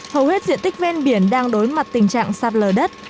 hầu hết diện tích ven biển đang đối mặt tình trạng sạt lở đất